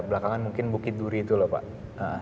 belakangan mungkin bukit duri itu loh pak